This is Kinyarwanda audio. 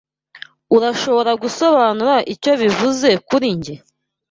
Urashobora gusobanura icyo bivuze kuri njye?